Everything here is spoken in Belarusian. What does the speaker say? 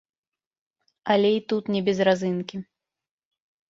Але і тут не без разынкі.